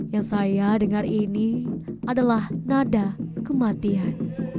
yang saya dengar ini adalah nada kematian